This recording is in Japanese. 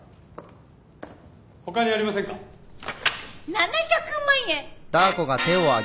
７００万円！